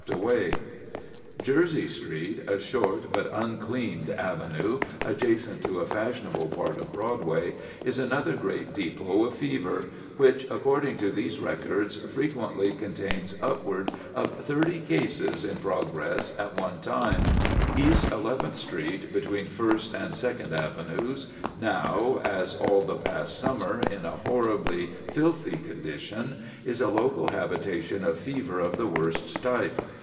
[Illustration: BIRD'S EYE VIEW OF FEVER NEST, 1865, NOT FAR FROM BROADWAY AND FIFTH AVENUE] Jersey Street, a short but uncleaned avenue, adjacent to a fashionable part of Broadway, is another great depot of fever, which, according to these records, frequently contained upward of thirty cases in progress at one time. East Eleventh Street, between First and Second Avenues, now, as all the past summer, in a horribly filthy condition, is a local habitation of fever of the worst type.